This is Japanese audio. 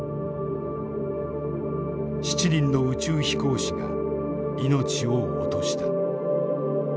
７人の宇宙飛行士が命を落とした。